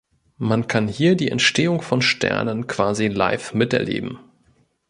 Man kann hier die Entstehung von Sternen quasi live miterleben.